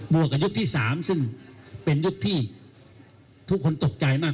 วกกับยกที่๓ซึ่งเป็นยุคที่ทุกคนตกใจมาก